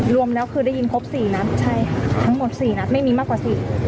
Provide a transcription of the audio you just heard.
รวมแล้วคือได้ยินครบ๔นัดใช่ทั้งหมด๔นัดไม่มีมากกว่า๔